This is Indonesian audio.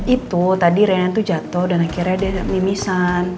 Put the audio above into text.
itu tadi renan itu jatuh dan akhirnya dia mimisan